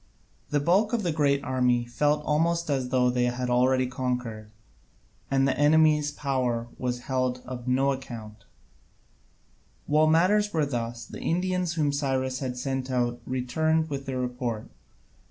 The bulk of the great army felt almost as though they had already conquered, and the enemy's power was held of no account. While matters were thus, the Indians whom Cyrus had sent out returned with their report.